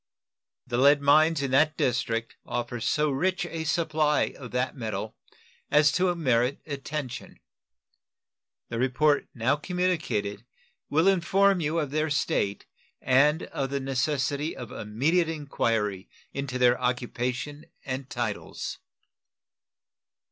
The lead mines in that district offer so rich a supply of that metal as to merit attention. The report now communicated will inform you of their state and of the necessity of immediate inquiry into their occupation and titles.